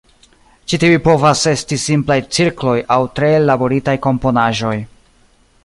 Ĉi tiuj povas esti simplaj cirkloj aŭ tre ellaboritaj komponaĵoj.